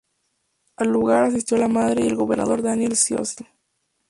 Al lugar asistió la madre y el gobernador Daniel Scioli.